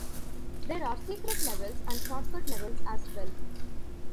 There are secret levels, and shortcut levels as well.